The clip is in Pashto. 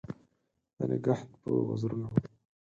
د نګهت په وزرونو